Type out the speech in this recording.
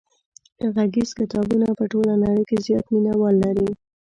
غږیز کتابونه په ټوله نړۍ کې زیات مینوال لري.